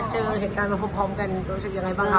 เจอเห็นกันมาพบพร้อมกันรู้สึกยังไงบ้างคะ